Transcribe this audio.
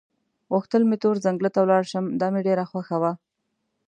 غوښتل مې تور ځنګله ته ولاړ شم، دا مې ډېره خوښه وه.